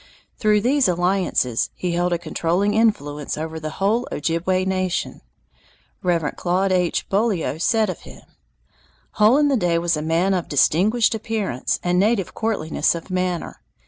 Through these alliances he held a controlling influence over the whole Ojibway nation. Reverend Claude H. Beaulieu says of him: "Hole in the Day was a man of distinguished appearance and native courtliness of manner.